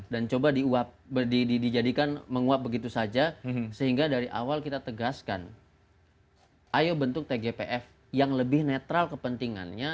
dan coba di uap dijadikan menguap begitu saja sehingga dari awal kita tegaskan ayo bentuk tgpf yang lebih netral kepentingannya